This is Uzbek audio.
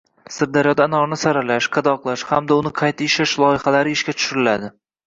Sirdaryoda anorni saralash, qadoqlash hamda uni qayta ishlash loyihalari ishga tushiriladi